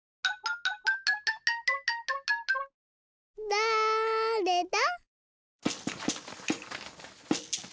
だれだ？